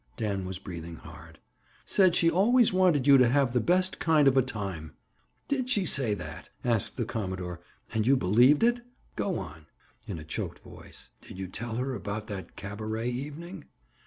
Dan was breathing hard. "Said she always wanted you to have the best kind of a time." "Did she say that?" asked the commodore. "And you believed it? Go on." In a choked voice. "Did you tell her about that cabaret evening?"